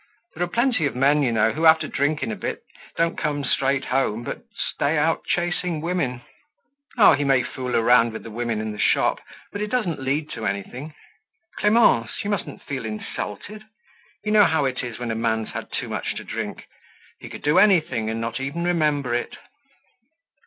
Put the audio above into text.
There are plenty of men, you know, who after drinking a bit don't come straight home but stay out chasing women. Oh, he may fool around with the women in the shop, but it doesn't lead to anything. Clemence, you mustn't feel insulted. You know how it is when a man's had too much to drink. He could do anything and not even remember it."